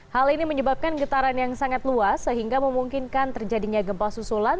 hal ini menyebabkan getaran yang sangat luas sehingga memungkinkan terjadinya gempa susulan